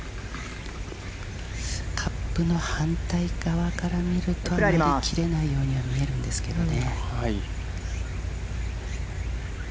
カップの反対側から見ると、余り切れないようには見えるんですけどね。